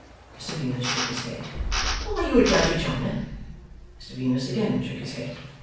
Mr Venus shook his head. 'Are you a judge of china?' Mr Venus again shook his head.